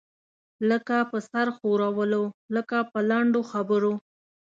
لکه په سر ښورولو، لکه په لنډو خبرو.